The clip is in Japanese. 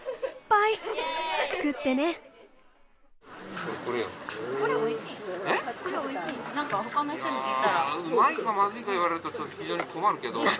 いやうまいかまずいか言われると非常に困るけど。